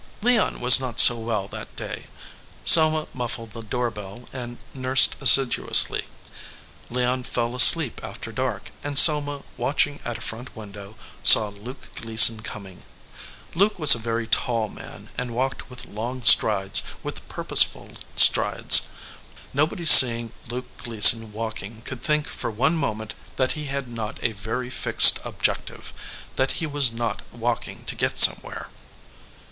Leon was not so well that day. Selma muffled the door bell and nursed assiduously. Leon fell asleep after dark, and Selma, watching at a front window, saw Luke Gleason coming. Luke was a very tall man, and walked with long strides, with purposeful strides. Nobody seeing Luke Gleason walking could think for one moment that he had not a very fixed objective ; that he was not walking to get somewhere.